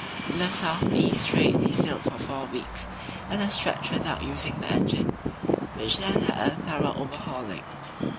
In the south east trade we sailed for four weeks at a stretch without using the engine, which then had a thorough overhauling.